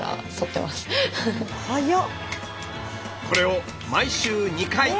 これを毎週２回。